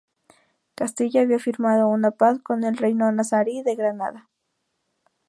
Castilla había firmado una paz con el reino nazarí de Granada.